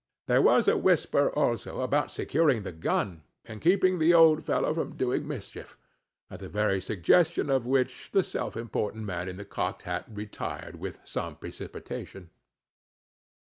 There was a whisper, also, about securing the gun, and keeping the old fellow from doing mischief, at the very suggestion of which the self important man in the cocked hat retired with some precipitation.